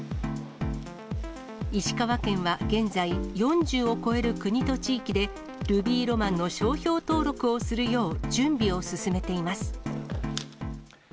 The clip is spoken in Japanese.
石川県は現在、４０を超える国と地域でルビーロマンの商標登録をするよう準備を進めています。